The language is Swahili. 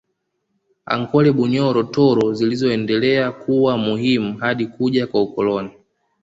Ankole Bunyoro Toro zilizoendelea kuwa muhimu hadi kuja kwa ukoloni